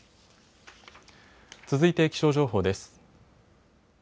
続いて気象情報です。